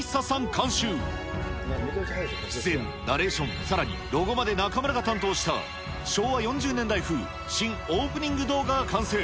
監修、出演、ナレーション、さらにロゴまで中丸が担当した昭和４０年代風新オープニング動画が完成。